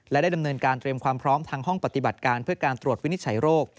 และได้ดำเนินการเตรียมความพร้อมทางห้องปฏิบัติการเพื่อการตรวจวินิจฉัยโรค